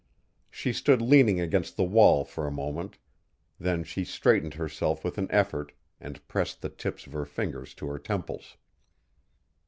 She stood leaning against the wall for a moment, then she straightened herself with an effort and pressed the tips of her fingers to her temples.